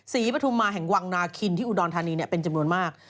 ศรีปฐุมาแห่งวังนาคินที่อุดอนธานีเนี่ยเป็นจำนวนมาก